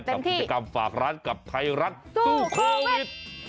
กับกิจกรรมฝากร้านกับไทยรัฐสู้โควิด